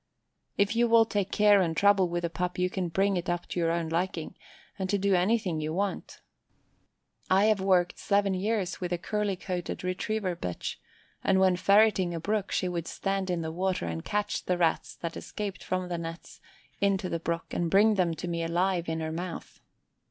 If you will take care and trouble with a pup you can bring it up to your own liking, and to do anything you want. I have worked seven years with a curly coated retriever bitch, and when ferreting a brook she would stand in the water and catch the Rats that escaped from the nets into the brook and bring them to me alive in her mouth.